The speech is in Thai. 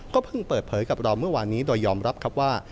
เพิ่งเปิดเผยกับเราเมื่อวานนี้โดยยอมรับครับว่า